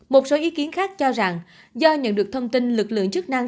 một số ý kiến khác cho rằng do nhận được thông tin lực lượng chức năng